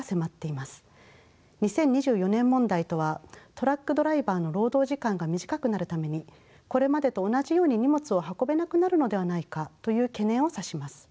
２０２４年問題とはトラックドライバーの労働時間が短くなるためにこれまでと同じように荷物を運べなくなるのではないかという懸念を指します。